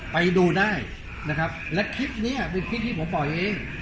ไปดูได้นะครับและคลิปนี้เป็นคลิปที่ผมปล่อยเอง